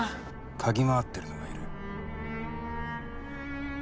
嗅ぎ回ってるのがいる。